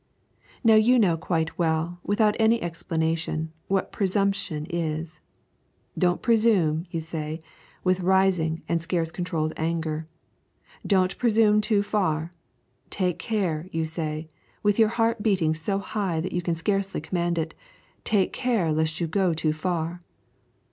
Now you know quite well, without any explanation, what presumption is. Don't presume, you say, with rising and scarce controlled anger. Don't presume too far. Take care, you say, with your heart beating so high that you can scarcely command it, take care lest you go too far.